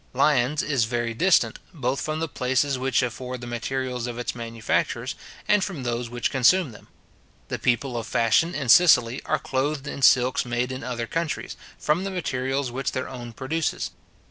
Lyons is very distant, both from the places which afford the materials of its manufactures, and from those which consume them. The people of fashion in Sicily are clothed in silks made in other countries, from the materials which their own produces.